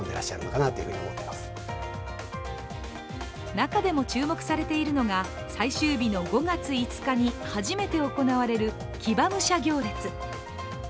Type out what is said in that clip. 中でも注目されているのが最終日の５月５日に初めて行われる騎馬武者行列。